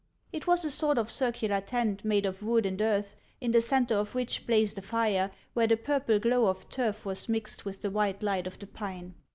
It was a sort of circular tent made of wood and earth, in the centre of which blazed a fire, where the purple glow of turf was mixed with the white light of the pine.